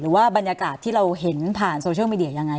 ว่าบรรยากาศที่เราเห็นผ่านโซเชียลมีเดียยังไง